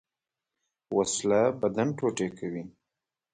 وسله بدن ټوټې کوي